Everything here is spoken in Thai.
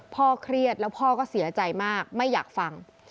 เครียดแล้วพ่อก็เสียใจมากไม่อยากฟัง